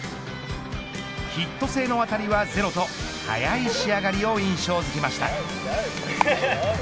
ヒット性の当たりはゼロと早い仕上がりを印象づけました。